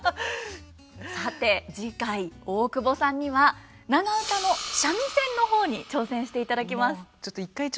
さて次回大久保さんには長唄の三味線の方に挑戦していただきます。